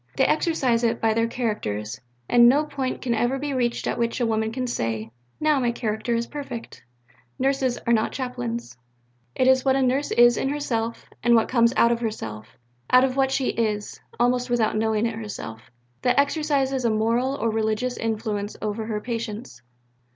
They exercise it by their characters, and no point can ever be reached at which a woman can say, "Now my character is perfect." "Nurses are not chaplains"; "it is what a nurse is in herself, and what comes out of herself, out of what she is (almost without knowing it herself) that exercises a moral or religious influence over her patients.